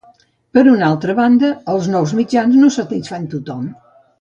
Per una altra banda, els nous mitjans no satisfan tothom.